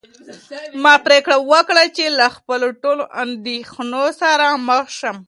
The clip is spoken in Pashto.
ما پرېکړه وکړه چې له خپلو ټولو اندېښنو سره مخ شم.